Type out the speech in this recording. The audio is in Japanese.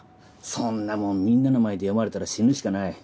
そんなもんみんなの前で読まれたら死ぬしかない。